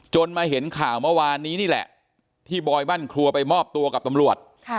มาเห็นข่าวเมื่อวานนี้นี่แหละที่บอยบ้านครัวไปมอบตัวกับตำรวจ